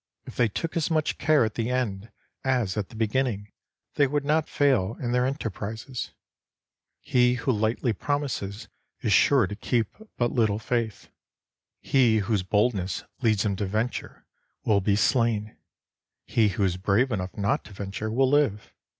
If they took as much care at the end as at the beginning, they would not fail in their enterprises. He who lightly promises is sure to keep but little faith. He whose boldness leads him to venture, will be slain ; he who is brave enough not to venture, will live.